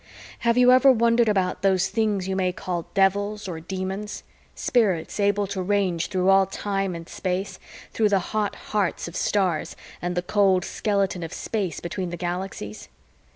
Have you ever wondered about those things you may call devils or Demons spirits able to range through all time and space, through the hot hearts of stars and the cold skeleton of space between the galaxies?